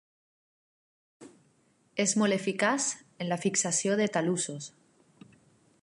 És molt eficaç en la fixació de talussos.